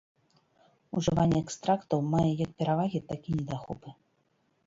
Ужыванне экстрактаў мае як перавагі, так і недахопы.